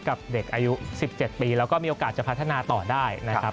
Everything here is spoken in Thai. กับเด็กอายุ๑๗ปีแล้วก็มีโอกาสจะพัฒนาต่อได้นะครับ